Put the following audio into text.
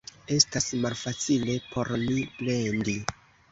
Estas malfacile por ni plendi.